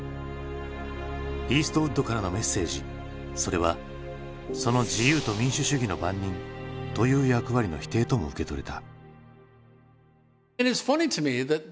イーストウッドからのメッセージそれはその「自由と民主主義の番人」という役割の否定とも受け取れた。